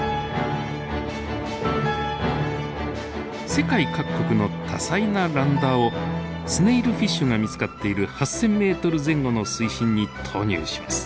世界各国の多彩なランダーをスネイルフィッシュが見つかっている８，０００ｍ前後の水深に投入します。